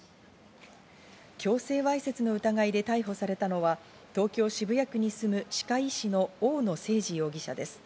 強制わいせつの疑いで逮捕されたのは東京・渋谷区に住む歯科医師の大野誠二容疑者です。